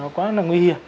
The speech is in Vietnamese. vì nó quá là nguy hiểm